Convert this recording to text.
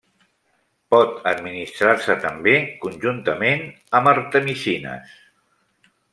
Pot administrar-se també conjuntament amb artemisines.